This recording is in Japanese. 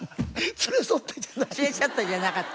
「連れ添って」じゃなかった。